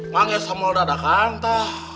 mangis sama dadakan tah